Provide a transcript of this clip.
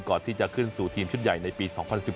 ก่อนที่จะขึ้นสู่ทีมชุดใหญ่ในปี๒๐๑๘